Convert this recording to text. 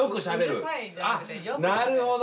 なるほど！